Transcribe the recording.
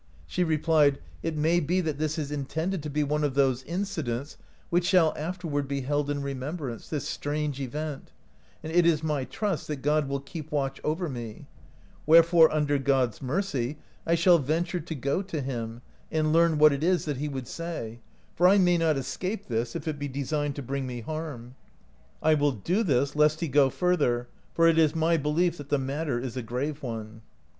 She replied, "It may be that this is in tended to be one of those incidents which shall afterward be held in remembrance, this strange event, and it is my trust that God will keep watch over me ; wherefore, under God's mercy, I shall venture to go to him, and learn what it is that he would say, for I may not escape this if it be designed to bring me harm. I will do this, lest he go further, for it is my belief that the matter is a grave one."